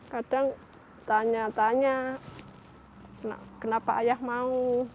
kadang tanya tanya kenapa ayah mau